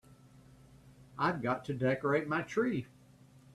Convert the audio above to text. I've got to decorate my tree.